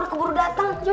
aku mau punya